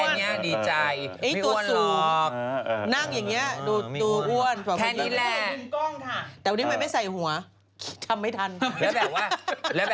ไม่เห็นอ้วนเลย